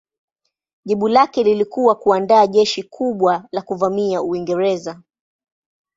Jibu lake lilikuwa kuandaa jeshi kubwa la kuvamia Uingereza.